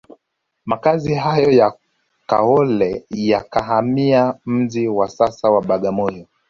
Makazi hayo ya Kaole yakahamia mji wa sasa wa Bagamoyo